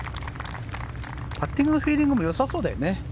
パッティングのフィーリングもよさそうですね。